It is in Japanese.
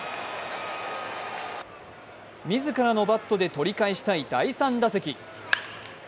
自らのバットで取り返したい第３打席。